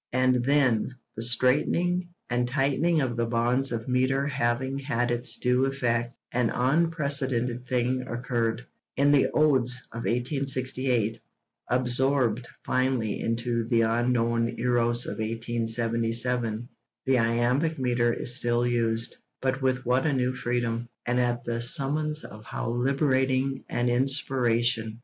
And then, the straightening and tightening of the bonds of metre having had its due effect, an unprecedented thing occurred. In the Odes of 1868, absorbed finally into The Unknown Eros of 1877, the iambic metre is still used; but with what a new freedom, and at the summons of how liberating an inspiration!